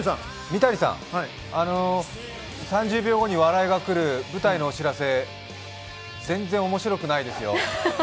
三谷さん、３０秒後に笑いがくる舞台のお知らせ、全然おもしろくないですよ。